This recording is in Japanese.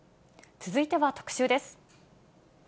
続いては特集です。